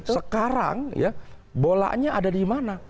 sekarang ya bolanya ada di mana